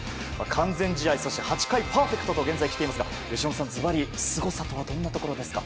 完全試合そして８回パーフェクトと現在来ていますが由伸さん、ずばりすごさとはどんなところですか？